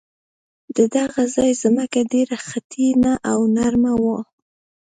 د دغه ځای ځمکه ډېره خټینه او نرمه وه.